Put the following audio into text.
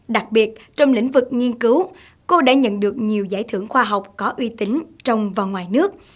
đặc biệt trong lĩnh vực nghiên cứu cô đã nhận được nhiều giải thưởng khoa học có uy tín trong và ngoài nước